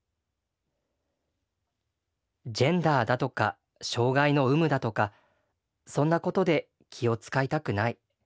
ジェンダーだとか障害の有無だとかそんなことで気を遣いたくない。